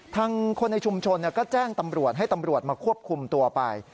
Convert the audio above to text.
ทางคนในชุมชนก็แจ้งตำรวจให้ตำรวจมาควบคุมตัวไป